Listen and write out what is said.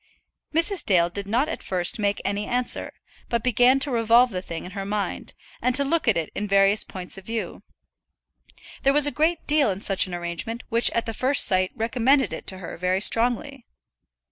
Mrs. Dale did not at first make any answer, but began to revolve the thing in her mind, and to look at it in various points of view. There was a great deal in such an arrangement which at the first sight recommended it to her very strongly.